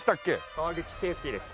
川口敬介です。